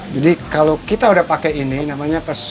jadi kalau kita udah pakai ini namanya